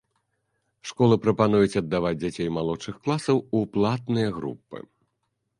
Школы прапануюць аддаваць дзяцей малодшых класаў у платныя групы.